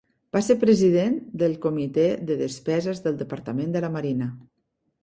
Va ser president de el Comitè de Despeses del Departament de la Marina.